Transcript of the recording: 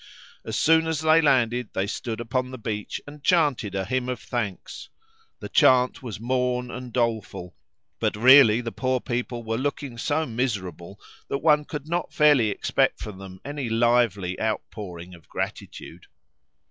As soon as they landed they stood upon the beach and chanted a hymn of thanks; the chant was morne and doleful, but really the poor people were looking so miserable, that one could not fairly expect from them any lively outpouring of gratitude.